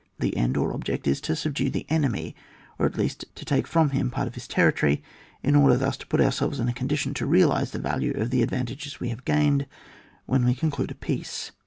The end or object is to subdue the enemy, or at least to take from him part of his terri tory, in order thus to put ourselves in a condition to realize the value of the advantages we have gained when we conclude a peace.